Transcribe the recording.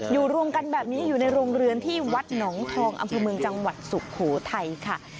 รวมกันแบบนี้อยู่ในโรงเรือนที่วัดหนองทองอำเภอเมืองจังหวัดสุโขทัยค่ะ